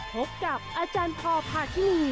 พบกับอาจารย์พอพาคินี